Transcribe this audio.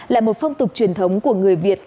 là một phong tục truyền thống của người việt